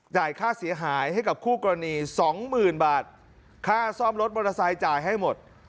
ค่าเสียหายให้กับคู่กรณีสองหมื่นบาทค่าซ่อมรถมอเตอร์ไซค์จ่ายให้หมด